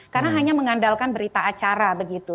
karena hanya mengandalkan berita acara begitu